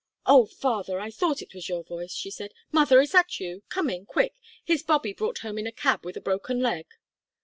"Oh! father, I thought it was your voice," she said. "Mother, is that you? Come in, quick. Here's Bobby brought home in a cab with a broken leg."